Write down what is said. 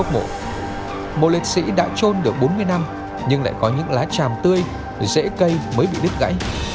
mộ liệt sĩ đã trôn được bốn mươi năm nhưng lại có những lá tràm tươi dễ cây mới bị đứt gãy